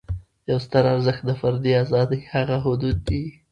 یو ستر ارزښت د فردي آزادۍ هغه حدود دي.